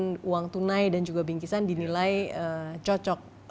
kemudian uang tunai dan juga bingkisan dinilai cocok